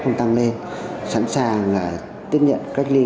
khi mà có thể tăng lên sẵn sàng tiết nhận cách ly